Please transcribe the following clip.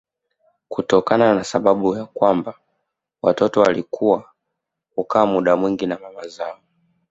Kutokana na sababu ya kwamba watoto walikuwa hukaa muda mwingi na mama zao